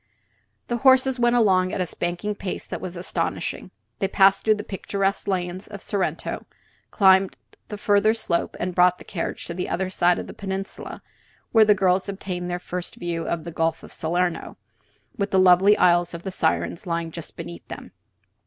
The horses went along at a spanking pace that was astonishing. They passed through the picturesque lanes of Sorrento, climbed the further slope, and brought the carriage to the other side of the peninsula, where the girls obtained their first view of the Gulf of Salerno, with the lovely Isles of the Sirens lying just beneath them.